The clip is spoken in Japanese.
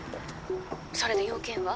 「それで用件は？」